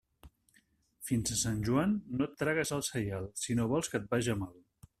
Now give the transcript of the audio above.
Fins a Sant Joan no et tragues el saial, si no vols que et vaja mal.